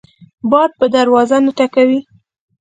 باد په دروازه نه ټکوي